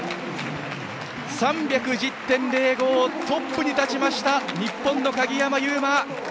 ３１０．０５、トップに立ちました日本の鍵山優真！